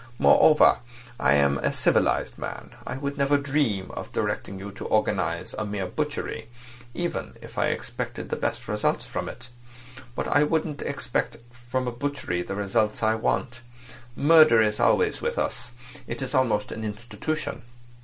Moreover, I am a civilised man. I would never dream of directing you to organise a mere butchery, even if I expected the best results from it. But I wouldn't expect from a butchery the result I want. Murder is always with us. It is almost an institution.